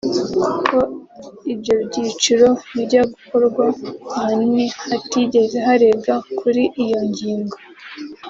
kuko ibyo byiciro bijya gukorwa ahanini hatigeze harebwa kuri iyo ngingo